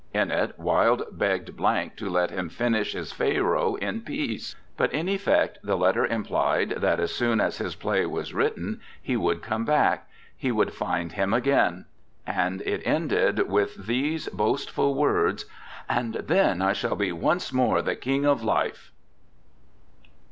In it Wilde begged to let him finish his Pharaoh in peace, but, in effect, the letter implied that as soon as his play was written he would come back, he would find him again; and it ended with these boastful words, 'and then I shall be once more the King of Life.'